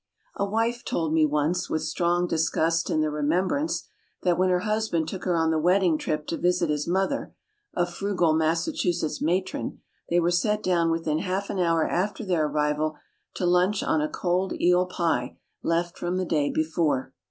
A wife told me, once, with strong disgust in the remembrance, that when her husband took her on the wedding trip to visit his mother, a frugal Massachusetts matron, they were set down within half an hour after their arrival, to lunch on a cold eel pie left from the day before.